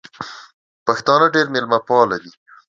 پښتانه ډېر مېلمه پال دي